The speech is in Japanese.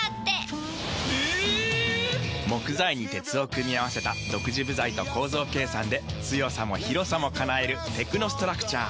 木材に鉄を組み合わせた独自部材と構造計算で強さも広さも叶えるテクノストラクチャー。